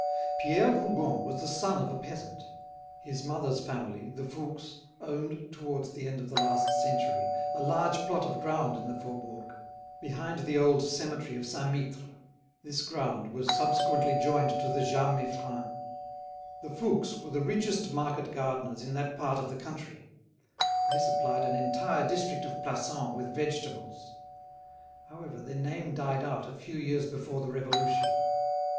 Pierre Rougon was the son of a peasant. His mother's family, the Fouques, owned, towards the end of the last century, a large plot of ground in the Faubourg, behind the old cemetery of Saint Mittre; this ground was subsequently joined to the Jas Meiffren. The Fouques were the richest market gardeners in that part of the country; they supplied an entire district of Plassans with vegetables. However, their name died out a few years before the Revolution.